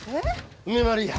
梅丸や！